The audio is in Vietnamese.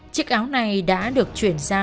chiếc áo này đã được chuyển giao